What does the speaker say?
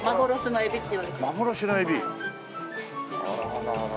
あららら。